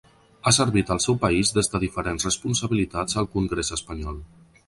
Ha servit al seu país des de diferents responsabilitats al congrés espanyol.